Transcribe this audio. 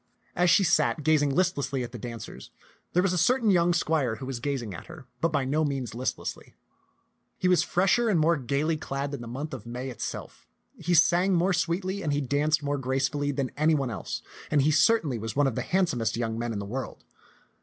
As she sat, gazing listlessly at the dancers, there was a certain young squire who was gazing at her, but by no means listlessly. He was fresher and more gayly clad than the month of May itself. He sang more sweetly and he danced more gracefully than any one else, and he certainly was one of the handsomest young men in the world.